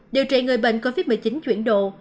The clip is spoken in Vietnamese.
điều trị người bệnh covid một mươi chín chuyển độ